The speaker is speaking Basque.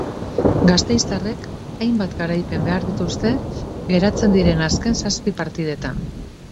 Gasteiztarrek hainbat garaipen behar dituzte geratzen diren azken zazpi partidetan.